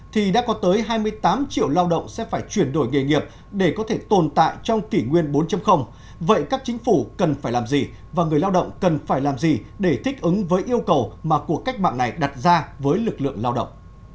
thì đã có tới hai mươi tám triệu lao động sẽ phải chuyển đổi nghề nghiệp để có thể tồn tại trong kỷ nguyên bốn vậy các chính phủ cần phải làm gì và người lao động cần phải làm gì để thích ứng với yêu cầu mà cuộc cách mạng này đặt ra với lực lượng lao động